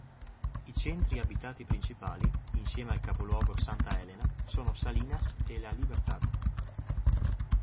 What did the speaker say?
I centri abitati principali, insieme al capoluogo Santa Elena sono Salinas e La Libertad.